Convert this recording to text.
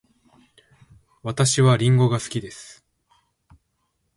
私はりんごが好きです。